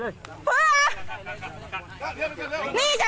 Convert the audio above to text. สวัสดีครับ